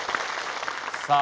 さあ